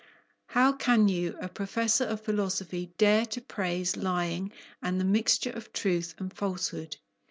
"How can you, a professor of philosophy, dare to praise lying and the mixture of truth and falsehood?"